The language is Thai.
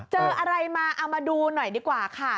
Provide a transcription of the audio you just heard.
เจออะไรมาเอามาดูหน่อยดีกว่าค่ะ